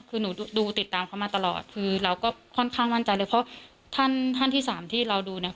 คือหนูดูติดตามเขามาตลอดคือเราก็ค่อนข้างมั่นใจเลยเพราะท่านท่านที่สามที่เราดูเนี่ย